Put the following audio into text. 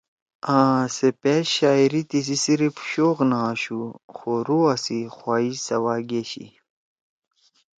آسے پأش شاعری تیِسی صرف شوق نہ آشُو خو رُوحا سی خواہش سوا گأشی